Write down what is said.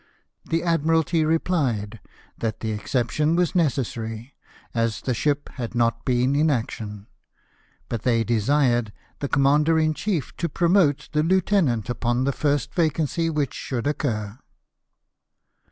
The Admiralty replied that the exception was necessary, as the ship had not been in action; but they desired the commander in chief to promote the lieutenant upon the first vacancy which should occur.